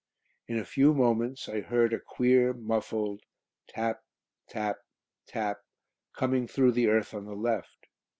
In a few moments I heard a queer, muffled tap tap tap, coming through the earth on the left.